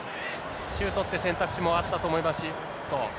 シュートって選択肢もあったと思いますし。